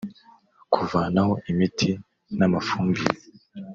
kuvanaho imiti n’ amafumbire